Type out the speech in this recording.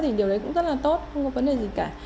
thì điều đấy cũng rất là tốt không có vấn đề gì cả